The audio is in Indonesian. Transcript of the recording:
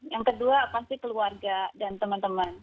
yang kedua pasti keluarga dan teman teman